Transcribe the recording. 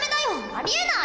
ありえない！